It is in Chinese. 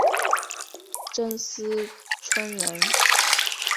斛斯椿人。